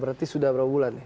berarti sudah berapa bulan ya